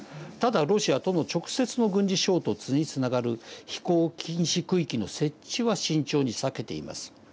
ただロシアとの直接の軍事衝突につながる飛行禁止区域の設置は慎重に避けています。